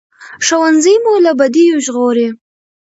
ښوونځی مو له بدیو ژغوري